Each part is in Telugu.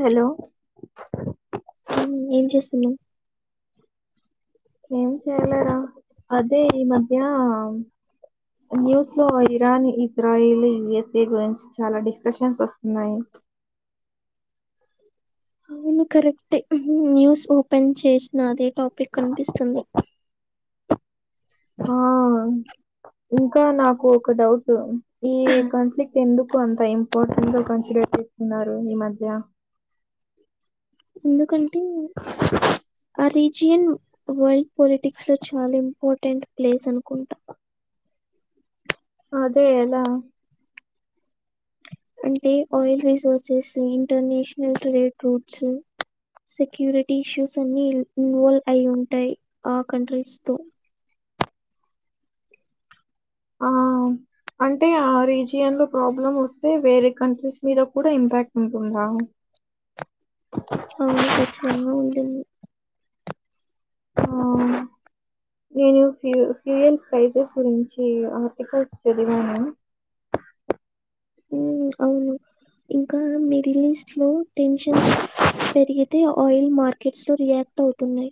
హలో ఉం ఏం చేస్తున్నావ్ ఏం చేయలేరా అదే ఈ మధ్య న్యూస్ లో ఇరాన్ ఇజ్రాయల్ యుఎస్ఏ గురించి చాలా డిస్కషన్స్ వస్తున్నాయి అవును కరెక్ట్ న్యూస్ ఓపెన్ చేసిన అదే టాపిక్ కనిపిస్తుంది ఆ ఇంకా నాకు ఒక డౌట్ ఈ కాన్ఫ్లిక్ట్ ఎందుకు ఎందుకు అంత ఇంపార్టెంట్ కన్సిడర్ చేస్తున్నారు ఈ మధ్య ఎందుకంటే ఆ రీజియన్ ఒకవేళ పాలిటిక్స్ లో చాలా ఇంపార్టెంట్ ప్లేస్ అనుకుంటా అదే ఎలా అంటే oil resources international trade routes security issues అన్ని ఇన్వాల్వ్ అయి ఉంటాయి ఆ కంట్రీస్ తో ఆ అంటే ఆ రీజియన్ లో ప్రాబ్లం వస్తే వేరే కంట్రీస్ మీద కూడా ఇంపాక్ట్ ఉంటుందా అవును కచ్చితంగా ఉంటుంది ఆ నేను ఫ్యూ ఫ్యూయల్ ప్రైజెస్ గురించి ఆర్టికల్స్ చదివాను ఉ అవును ఇంకా మీరిలీస్ట్ లో టెన్షన్స్ పెరిగితే ఆయిల్ మార్కెట్స్ లో రియాక్ట్ అవుతున్నాయి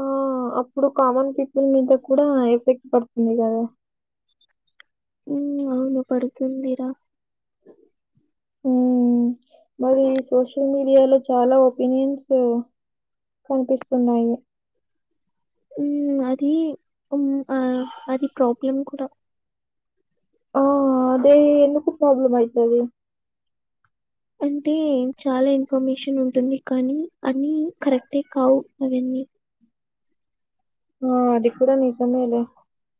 ఆ అప్పుడు కామన్ పీపుల్ మీద కూడా ఎఫెక్ట్ పడుతుంది కదా ఉ అవును పడుతుందీ రా హ్మ్ హు మరి సోషల్ మీడియా లో చాలా ఒపీనియన్స్ కనిపిస్తున్నాయి హ్మ్ అది హ్మ్ హా అది ప్రాబ్లం కూడా ఓ ఆ అదే ఎందుకు ప్రాబ్లమ్ అయితది అంటే చాలా ఇన్ఫర్మేషన్ ఉంటుంది కానీ అన్ని కరెక్టే కావు అవన్నీ ఆ అది కూడా నిజమేలే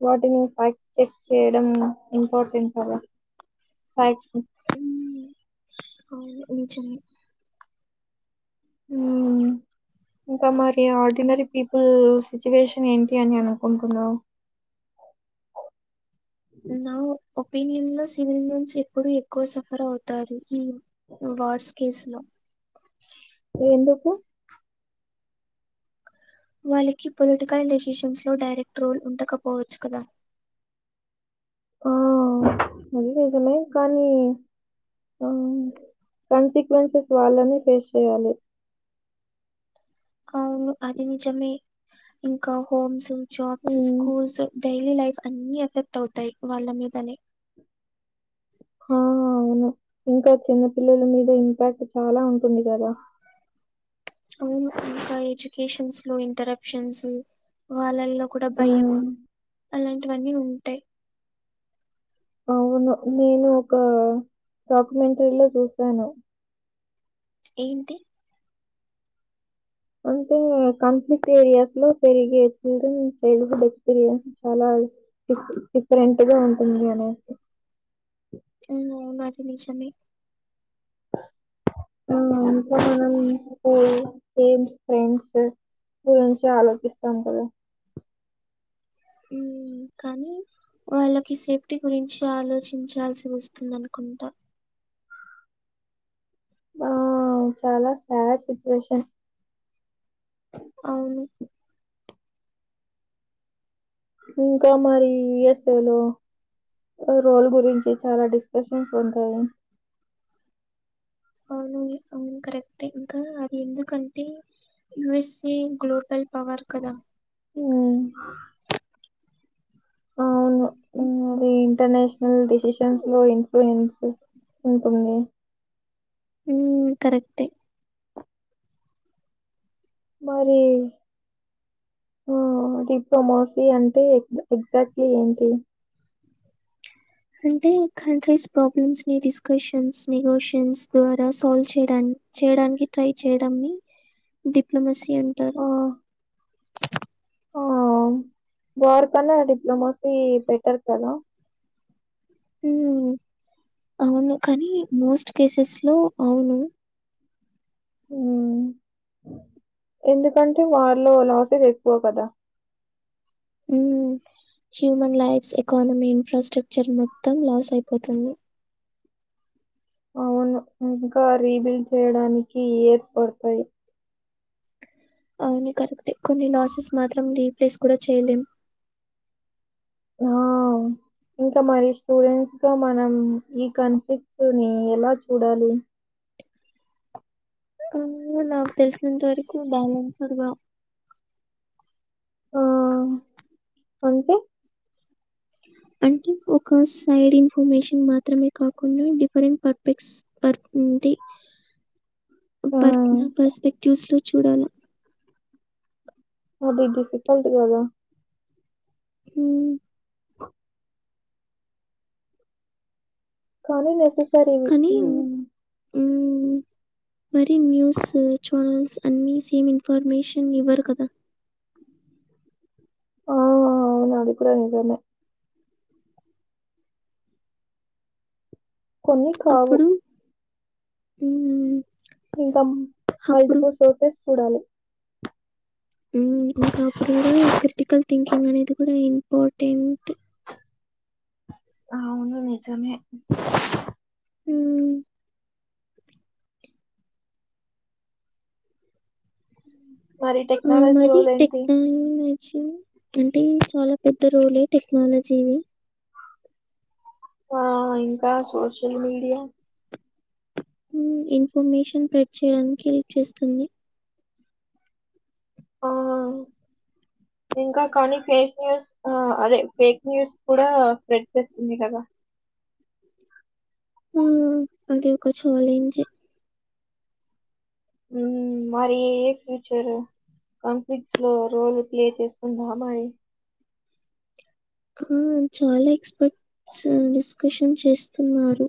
వాటిని ఫ్యాక్ట్ చెక్ చేయడం ఇంపార్టెంట్ కద ఫ్యాక్ట్ హ్మ్ అవును నిజమే హ్మ్. ఇంకా మరి ఆర్డినరీ పీపుల్ సిచ్యువేషన్ ఏంటి అని అనుకుంటున్నావు నా ఒపీనియన్ లో సివిలియన్స్ ఎప్పుడు ఎక్కువ సఫర్ అవు తారు వార్స్ కేసు లో ఎందుకు వాళ్ళకి పొలిటికల్ డెసిషన్స్లో డైరెక్ట్ రోల్ ఉండకపోవచ్చు కదా హా అది నిజమే కానీ ఆ కన్సిక్వెన్సెస్ వాళ్ళనే ఫేస్ చేయాలి అవును అది నిజమే ఇంకా హోమ్స్ జాబ్స్ హ్మ్. స్కూల్స్ డైలీ లైఫ్ అన్ని ఎఫెక్ట్ అవుతాయి వాళ్ళ మీదనే హా అవును ఇంకా చిన్నపిల్లల మీద ఇంపాక్ట్ చాలా ఉంటుంది కదా అవును ఇంకా ఎడ్యుకేషన్స్ లో ఇంటరప్షన్స్ వాళ్ళలో కూడా భయం హ్మ్. అలాంటివన్నీ ఉంటాయి అవును నేను ఒక డాక్యుమెంటరీ లో చూశాను ఏంటి అంటే కన్ఫ్లిక్ట్ ఏరియాస్ లో పెరిగే చిల్డ్రన్ చైల్డ్ హుడ్ ఎక్స్పీరియన్స్ చాలా డీఫ్ డిఫరెంట్ గా ఉంటుంది అనేసి ఆ అది నిజామే హ్మ్ ఇంకా మనం ప్రిపేర్ అయ్యే సేమ్ ఫ్రెండ్స్ గురించే ఆలోచిస్తాము కదా హ్మ్ కానీ వాళ్ళకి సేఫ్టీ గురించి ఆలోచించాల్సి వస్తుంది అనుకుంటా ఆ చాలా సాడ్ సిచ్యుయేషన్ అవును ఇంకా మరి యూఎస్ ఏ లో రోల్ గురించి చాలా డిస్కషన్స్ ఉంటాయి అవును అవును కరెక్టే ఇంకా అది ఎందుకంటే యుఎస్ఏ గ్లోబల్ పవర్ కదా హ్మ్ అవును హ్మ్ అది ఇంటర్నేషనల్ డిసిషన్స్ లో ఇన్ఫ్లూయెన్స్ ఉంటుంది హ్మ్ కరెక్టే మరి ఆ డిప్లా మాఫీ అంటే ఎగ్జాక్ట్లీ ఏంటి అంటే కంట్రీస్ ప్రాబ్లమ్స్ ని డిస్కషన్స్ నెగోషియన్స్ ద్వారా సాల్వ్ చేయడానికి చేయడానికి ట్రై చేయడాన్ని డిప్లొమసీ అంటారు బార్ కన్నా డిప్లమసీ బెటర్ కదా హ్మ్ అవును కానీ మోస్ట్ కేసెస్ లో అవును హ్మ్ ఎందుకంటే వారిలో లాసెస్ ఎక్కువ కదా హ్మ్ హ్యూమన్ లాస్ ఎకానమీ ఇన్ఫ్రాస్ట్రక్చర్ మొత్తం లాస్ అయిపోతాను అవును ఇంకా రీబిల్డ్ చేయడానికి ఇయర్స్ పడతాయి అవును కరెక్టే కొన్ని లాసెస్ మాత్రం రీప్లేస్ కూడా చేయలేం ఆ ఇంకా మరి స్టూడెంట్స్ తోమనం ఈ కన్ఫ్లిక్ట్స్ ని ఎలా చూడాలి ఆహ్, నాకు తెలిసినంత వరకు బ్యాలెన్స్డ్గా అంటె అంటే ఒక సైడ్ ఇన్ఫర్మేషన్ మాత్రమే కాకుండా డిఫరెంట్ పర్పెక్స్ పర్క్ ఉంటే పర్ హ్మ్. పర్స్పెక్టివ్స్ లో చూడాలి అది డిఫికల్ట్ కదా హ్మ్ సరే రేపు కానీ [unintelligible] హ్మ్ మరి న్యూస్ ఛానల్స్ అన్నీ సేమ్ ఇన్ఫర్మేషన్ ఇవ్వరు కదా హ్మ్ అదికూడా నిజమే కొన్ని కావు అప్పుడు హ్మ్ ఇంకా అప్పుడు మల్టిపుల్ సోర్సెస్ చూడాలి హ్మ్ ఇంకా అప్పుడు కూడా క్రిటికల్ థింకింగ్ అనేది కూడా ఇంపార్టెంట్ అవును నిజమే హ్మ్ మరి ఆ టెక్నాలజీ మరి రోలేంటి? టెక్న లజిఅంటే చాలా పెద్ద రోలే టెక్నాలజీవి ఆ ఇంకా సోషల్ మీడియా హ్మ్ ఇన్ఫర్మేషన్ ప్రెచ్. చేయడానికి హెల్ప్ చేస్తుంది ఆ! ఇంకా కానీ ఫేస్ న్యూస్ అదే ఫేక్ న్యూస్ కూడా స్ప్రెడ్ చేస్తుంది కదా ఆ అది ఒక చాలేంజె హ్మ్ మరి ఏ ఫ్యూచర్ కాన్ఫ్లిక్స్ లో రోల్ ప్లే చేస్తుంద మరి ఆ చాలా ఎక్స్పర్ట్స్ డిస్కషన్ చేస్తున్నారు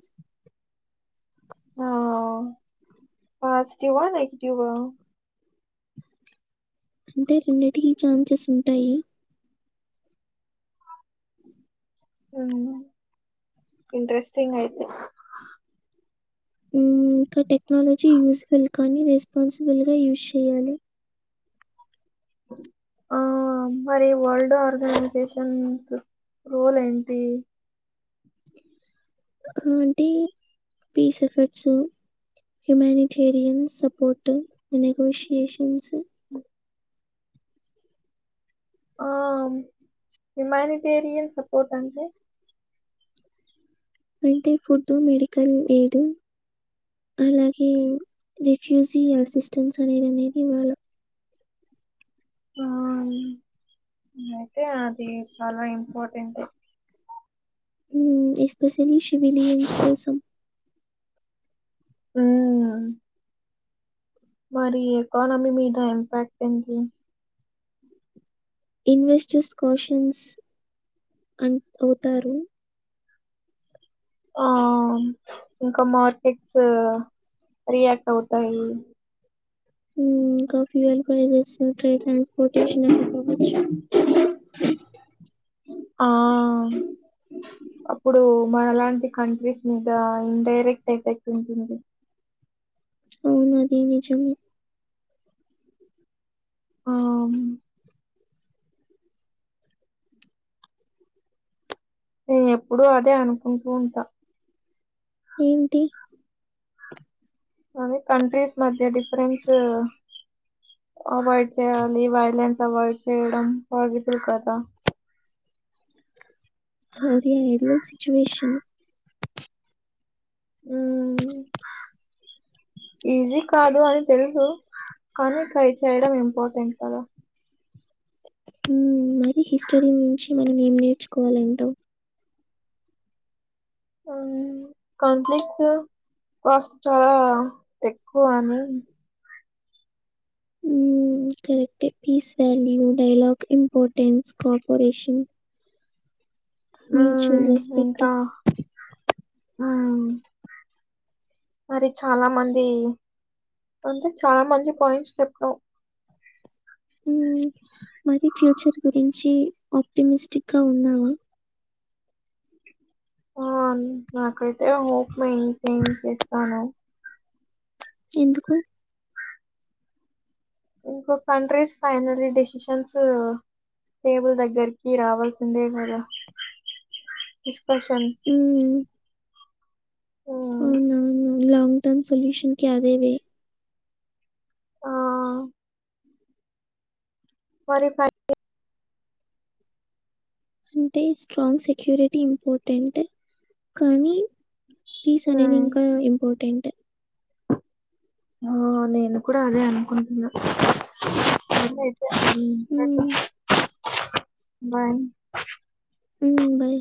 ఆపాజిటివా నెగిటివా అంటే రెండింటికి ఛాన్సెస్ ఉంటాయి హ్మ్ ఇంట్రెస్టింగ్ అయితే హ్మ్ ఇంకా టెక్నాలజీ యూస్ఫుల్ కానీ రెస్పాన్సిబుల్ గా యూస్. చేయాలి ఆ! మరి వరల్డ్ ఆర్గనైజేషన్స్ రోల్ ఏంటి రొటీ peace efforts humanitarian support negotiations ఉ ఆ హ్యుమానిటేరియన్ సపోర్ట్ అంటే అంటే ఫుడ్ మెడికల్ ఎయిడ్ అలాగే రిఫ్యూజీ అసిస్టెన్స్ అనేది అనేది వాళ్ళ ఆ అండి అది అయితే అది చాలా ఇంపార్టెంటె ఊ ఎస్పెషలీ సివిలియన్స్ కోసం ఊ మరి ఎకానమీ మీద ఇంపాక్ట్ ఏంటి ఇన్వెస్టర్స్ కాషన్స్ అన్ ‌పోతారు ఆ ఇంకా మార్కెట్స్ రియాక్ట్ అవుతాయి ఉమ్ కాఫీల్ కాలజెస్ ట్ర ట్రాన్స్పోర్టేషన్ అని కుడా వచ్చు టుమ్ ఆ టన్ అప్పుడు మనలాంటి కంట్రీస్ మీద ఇండైరెక్ట్ ఎఫెక్ట్ ఉంటుంది అవునది నిజమే ఆ ఆవును నేను ఎప్పుడు అదే అనుకుంటూ ఉంటా ఏంటి అే కంట్రీస్ మధ్య డిఫరెన్స్ అవాయిడ్ చేయాలి వైలెన్స్ అవాయిడ్ చేయడం పసిబుల్ కదా అదే ఎదొ సిచువేషన్ మ్మ్ ఈజీ కాదు అని తెలుసు కానీ ట్రై చేయడం ఇంపార్ర్టెంట్ కదా ఊ మరీ హిస్టరీ నుంచి మనం ఏం నేర్చుకోవాలంటావు ఆ కాన్ఫ్లిక్స్ కాస్ట్ చాలా ఎక్కువని ఊ కరెక్ట్ ఏ peace value dialogue importance cooperation mutual respect ఆ మరి చాలా మంది అంటే చాలా మంది పాయింట్స్ చెప్పడం ఊ మరి ఫ్యూచర్ గురించి ఆప్టమిస్టిక్ గా ఉన్నావా ఆ నాకైతే హోప్ లే ఇకేం చేస్తాను ఎందుకు ఇంకొ కంట్రీస్ ఫైనలీ డిసిషన్స్ టేబుల్ దగ్గరికి రావాల్సిందే కదా డిస్కషన్ మ్మ్. అవునవును లో టర్న్ సోల్యూషన్ కి అదే వే మరి ఫైవ్ అంటే స్ట్రాంగ్ సెక్యూరిటీ ఇంపార్టెంట్ కానీ పీస్ అనేది ఉమ్, ఇంకా ఇంపార్టెంట్ ఆ నేను కూడా అదే అనుకుంటున్నా ఊ బాయ్ ఊ బాయ్